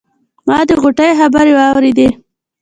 ما د غوټۍ خبرې واورېدې.